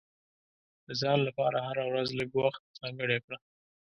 د ځان لپاره هره ورځ لږ وخت ځانګړی کړه.